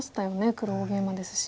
黒大ゲイマですし。